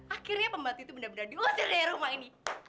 akhirnya pembantu itu benar benar diusir dari rumah ini